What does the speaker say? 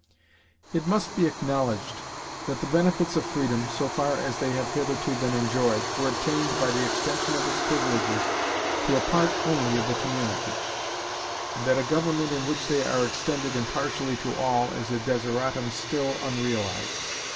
It must be acknowledged that the benefits of freedom, so far as they have hitherto been enjoyed, were obtained by the extension of its privileges to a part only of the community; and that a government in which they are extended impartially to all is a desideratum still unrealized.